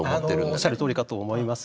おっしゃるとおりかと思います。